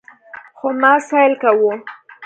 خو ما سيل کاوه.